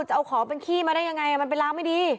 จะเอาของเป็นขี้มาได้ยังไงมันเป็นล้างไม่ดี